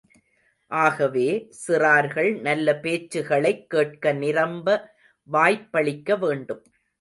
ஆகவே, சிறார்கள் நல்ல பேச்சுகளைக் கேட்க நிரம்ப வாய்ப்பளிக்க வேண்டும்.